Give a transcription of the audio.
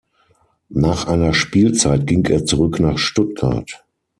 Nach einer Spielzeit ging er zurück nach Stuttgart.